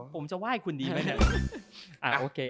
ผมจะไหว้คุณดีไหมเนี่ยโอเค